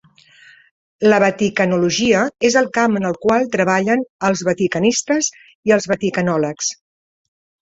La vaticanologia és el camp en el qual treballen els vaticanistes i els vaticanòlegs.